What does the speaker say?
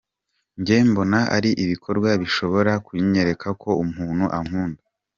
Njye mbona ari ibikorwa bishobora kunyereka ko umuntu ankunda.